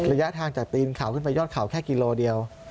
ระยะทางจากตีนเขาขึ้นไปยอดเขาแค่กิโลเดียว